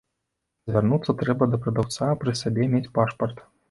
Звярнуцца трэба да прадаўца, а пры сабе мець пашпарт.